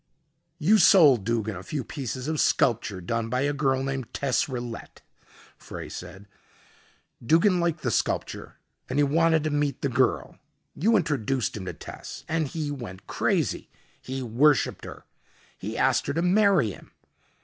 "You sold Duggin a few pieces of sculpture done by a girl named Tess Rillette," Frey said. "Duggin liked the sculpture and he wanted to meet the girl. You introduced him to Tess and he went crazy. He worshipped her. He asked her to marry him.